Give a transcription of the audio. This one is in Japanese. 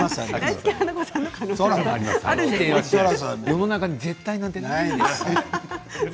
世の中に絶対なんてないんです。